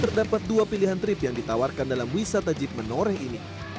terdapat dua pilihan trip yang ditawarkan dalam wisata jeep menoreh ini